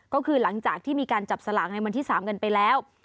ก็คือหลังจากที่มีการจับสลากในวันที่๓กันไปแล้ว